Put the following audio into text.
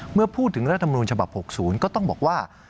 เมื่อพูดถึงรัฐมนูญฉบับ๖๐ก็ต้องบอกว่า